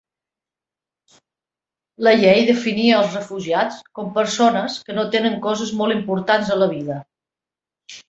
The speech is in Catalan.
La llei definia als refugiats com persones que no tenen coses molt importants a la vida.